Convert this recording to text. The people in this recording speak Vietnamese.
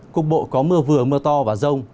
cục bộ có mưa vừa mưa to và rông